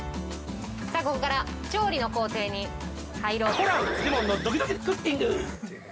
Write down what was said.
さあここから調理の工程に入ろうと。